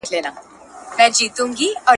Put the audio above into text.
ویښتان او جامې ځینې وخت غیر طبیعي ښکاري.